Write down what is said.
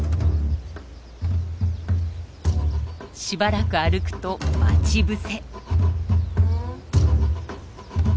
しばらく歩くと待ち伏せ。